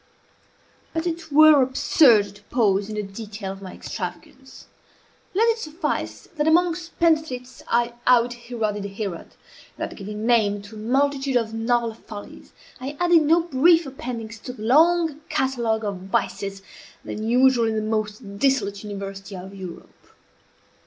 But it were absurd to pause in the detail of my extravagance. Let it suffice, that among spendthrifts I out Heroded Herod, and that, giving name to a multitude of novel follies, I added no brief appendix to the long catalogue of vices then usual in the most dissolute university of Europe.